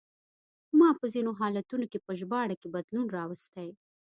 ما په ځینو حالتونو کې په ژباړه کې بدلون راوستی.